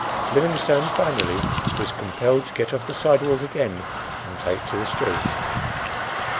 Livingstone finally was compelled to get off the sidewalk again and take to the street.